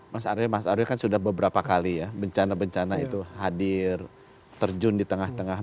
mas aryo mas aryo kan sudah beberapa kali ya bencana bencana itu hadir terjun di tengah tengah